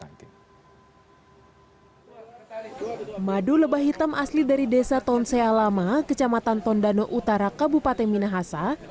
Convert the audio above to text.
madu lebah hitam asli dari desa tonsea lama kecamatan tondano utara kabupaten minahasa